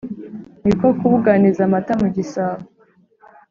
niko kubuganiza amata mu gisabo,